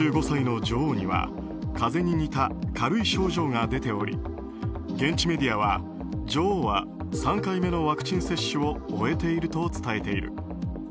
９５歳の女王には風邪に似た軽い症状が出ており現地メディアは女王は３回目のワクチン接種を終えていると伝えている。